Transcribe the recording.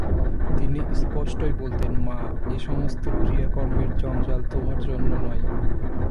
তিনি স্পষ্টই বলতেন, মা, এ-সমস্ত ক্রিয়াকর্মের জঞ্জাল তোমার জন্যে নয়।